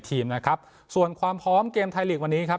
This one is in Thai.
ทีมนะครับส่วนความพร้อมเกมไทยลีกวันนี้ครับ